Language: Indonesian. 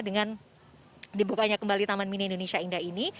dengan dibukanya kembali tmii ini